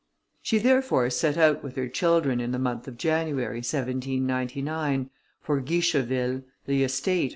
She therefore set out with her children, in the month of January, 1799, for Guicheville, the estate of M.